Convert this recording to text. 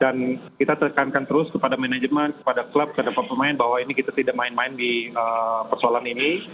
dan kita tekankan terus kepada manajemen kepada klub kepada pemain bahwa ini kita tidak main main di persoalan ini